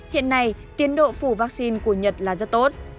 hiện nay tiến độ phủ vaccine của nhật là rất tốt